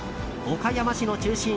岡山市の中心